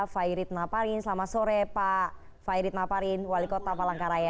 fahid nafarin selamat sore pak fahid nafarin wali kota palangkaraya